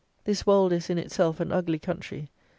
This Wold is, in itself, an ugly country.